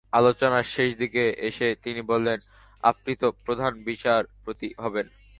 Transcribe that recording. আলোচনার শেষ দিকে এসে তিনি বললেন, আপনি তো প্রধান বিচারপতি হবেন।